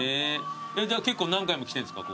じゃあ結構何回も来てんすか？